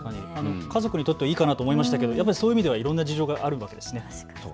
家族にとってはいいかなと思いましたが、そういう意味ではいろんな事情があるんですね。